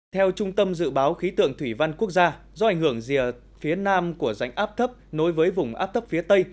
theo trung tâm dự báo khí tượng thủy văn quốc gia do ảnh hưởng rìa phía nam của rãnh áp thấp nối với vùng áp thấp phía tây